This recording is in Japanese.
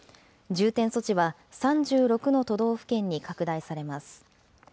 重点措置は３６の都道府県に拡大されます。